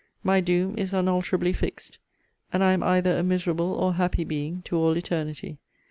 My doom is unalterably fixed; and I am either a miserable or happy being to all eternity.